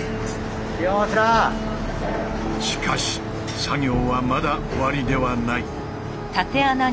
しかし作業はまだ終わりではない。